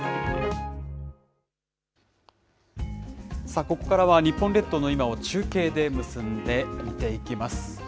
さあ、ここからは日本列島の今を中継で結んで見ていきます。